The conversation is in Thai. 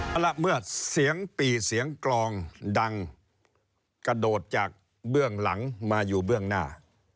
เอาละเมื่อเสียงปี่เสียงกลองดังกระโดดจากเบื้องหลังมาอยู่เบื้องหน้า